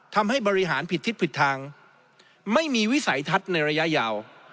ทำให้บริหารผิดทิศผิดทางไม่มีวิสัยทัศน์ในระยะยาว